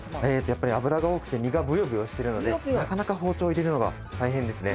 やっぱり脂が多くて身がブヨブヨしてるのでなかなか包丁入れるのが大変ですね。